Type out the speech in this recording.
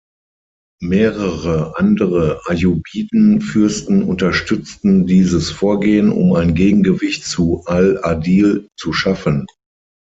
Mehrere andere Ayyubiden-Fürsten unterstützten dieses Vorgehen, um ein Gegengewicht zu al-Adil zu schaffen.